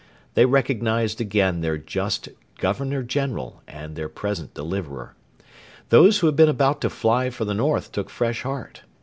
They recognised again their just Governor General and their present deliverer. Those who had been about to fly for the north took fresh heart.